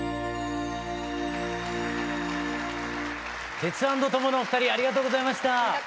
テツａｎｄトモのお二人ありがとうございました。